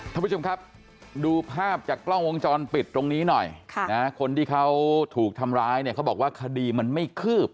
ท่านผู้ชมครับดูภาพจากกล้องวงจรปิดตรงนี้หน่อยคนที่เขาถูกทำร้ายเนี่ยเขาบอกว่าคดีมันไม่คืบ